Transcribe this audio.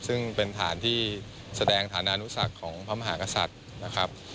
ซึ่งเป็นฐานที่แสดงฐานานุสักของพระมหากษัตริย์นะครับ